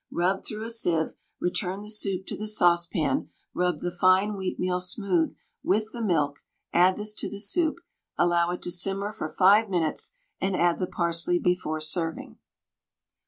Rub through a sieve, return the soup to the saucepan, rub the fine wheatmeal smooth with the milk, add this to the soup, allow it to simmer for 5 minutes, and add the parsley before serving.